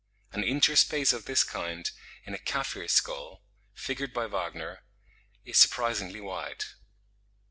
An inter space of this kind in a Kaffir skull, figured by Wagner, is surprisingly wide.